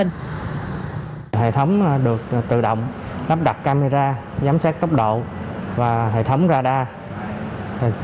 hệ thống được tự động lắp đặt camera giám sát tốc độ và hệ thống radar